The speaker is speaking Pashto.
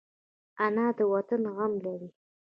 انا د وطن غم لري